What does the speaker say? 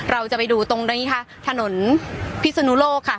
เราจะไปดูตรงนี้ค่ะถนนพิศนุโลกค่ะ